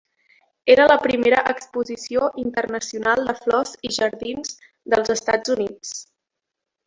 Era la primera exposició internacional de flors i jardins dels Estats Units.